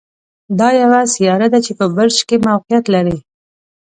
دا یوه سیاره ده چې په برج کې موقعیت لري.